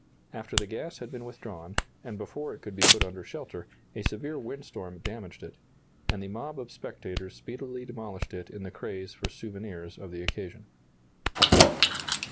After the gas had been withdrawn, and before it could be put under shelter, a severe windstorm damaged it, and the mob of spectators speedily demolished it in the craze for souvenirs of the occasion.